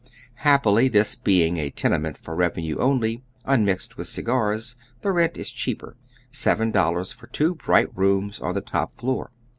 Happily, this being a tenement for revenue only, unmixed with cigars, the rent is cheaper : seven dollars for two bright rooms on the top floor.